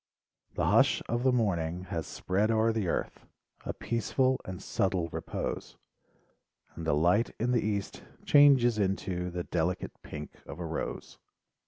The hush of the morning has spread o'er the earth* A peaceful and .subtile repose, And the light in the east changes into The delicate pink of a rose.